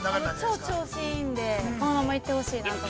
◆超調子いいんで、このまま行ってほしいと思います。